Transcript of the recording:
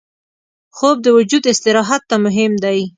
خوب د وجود استراحت ته مهم دی